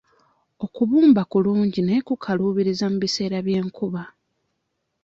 Okubumba kulungi naye kukaluubiriza mu biseera by'enkuba.